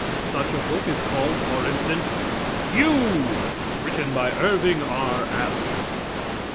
Such a book is called, for instance "You," written by Irving R. Allen.